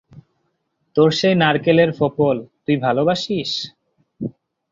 তোর সেই নারকেলের ফোঁপল-তুই ভালোবাসিস?